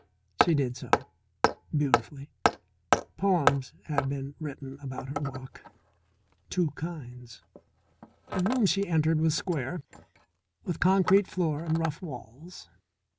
She did so. Beautifully. Poems have been written about her walk. Two kinds. The room she entered was square, with concrete floor and rough walls.